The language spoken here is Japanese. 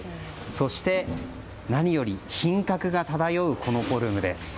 そして、何より品格が漂うこのフォルムです。